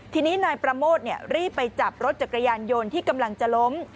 ทีนี้นายประโมทรีบไปจับรถจักรยานยนต์ที่กำลังจะล้ม